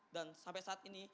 dan sampai saat ini